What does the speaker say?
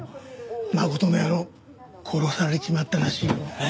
真琴の野郎殺されちまったらしいんだ。